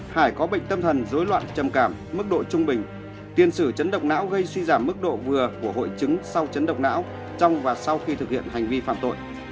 hải có bệnh tâm thần dối loạn trầm cảm mức độ trung bình tiền sử chấn độc não gây suy giảm mức độ vừa của hội chứng sau chấn độc não trong và sau khi thực hiện hành vi phạm tội